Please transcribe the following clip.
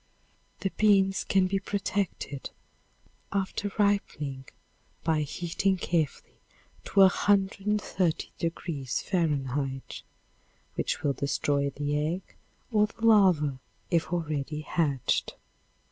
The beans can be protected after ripening by heating carefully to 130° Fahrenheit, which will destroy the egg, or the larva if already hatched.